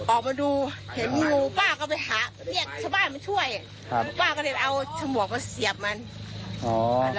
โอ้โฮ